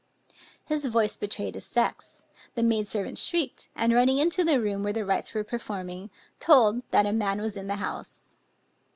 His voice betrayed his sex; the maid servant shrieked, and running into the room where the rites were performing, told that a man was in the house.